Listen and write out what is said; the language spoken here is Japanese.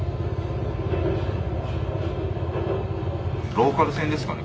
ローカル線ですかね？